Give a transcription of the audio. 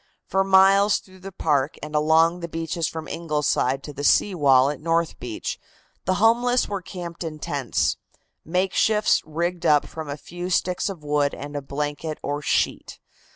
For miles through the park and along the beaches from Ingleside to the sea wall at North Beach the homeless were camped in tents makeshifts rigged up from a few sticks of wood and a blanket or sheet.